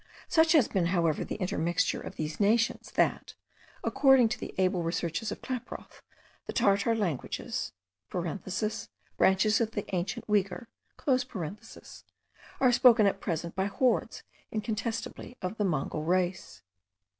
Such has been, however, the intermixture of these nations, that, according to the able researches of Klaproth, the Tartar languages (branches of the ancient Oigour) are spoken at present by hordes incontestably of Mongol race.